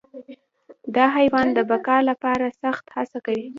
دا حیوان د بقا لپاره سخت هڅه کوي.